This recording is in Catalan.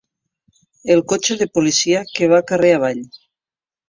El cotxe de policia que va carrer avall.